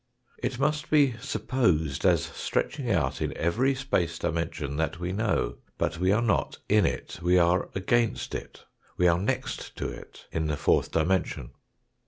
It must be supposed as stretching out in every space dimension that we know ; but we are not in it, we are against it, we are next to it, in the fourth dimension.